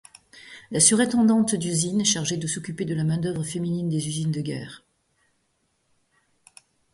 La surintendante d’usine, chargée de s’occuper de la main-d’œuvre féminine des usines de guerre.